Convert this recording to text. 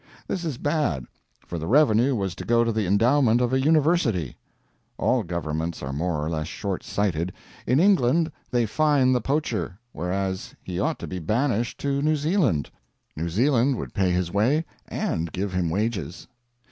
This is bad, for the revenue was to go to the endowment of a University. All governments are more or less short sighted: in England they fine the poacher, whereas he ought to be banished to New Zealand. New Zealand would pay his way, and give him wages.